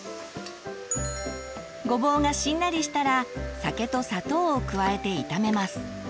ごぼうがしんなりしたら酒と砂糖を加えて炒めます。